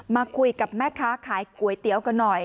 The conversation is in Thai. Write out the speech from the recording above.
มาคุยกับแม่ค้าขายก๋วยเตี๋ยวกันหน่อย